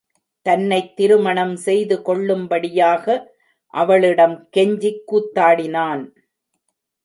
தன்னைத் திருமணம் செய்து கொள்ளும்படியாக அவளிடம் கெஞ்சிக் கூத்தாடினான்.